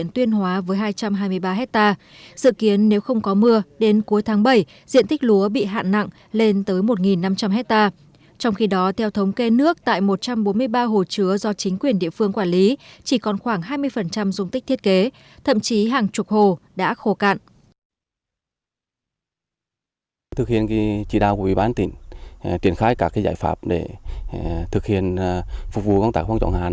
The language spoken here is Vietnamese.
thực hiện trị đạo của ủy ban tỉnh triển khai các giải pháp để thực hiện phục vụ công tác phong trọng hạn